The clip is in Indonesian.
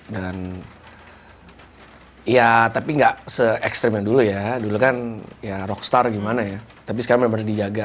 ya tapi nggak se ekstrim yang dulu ya dulu kan ya rockstar gimana ya tapi sekarang baru dijaga